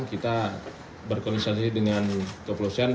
kita berkomunisasi dengan kepolisian